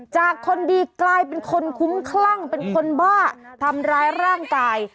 คนดีกลายเป็นคนคุ้มคลั่งเป็นคนบ้าทำร้ายร่างกาย